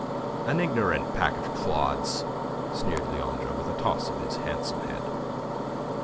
"An ignorant pack of clods," sneered Leandre, with a toss of his handsome head.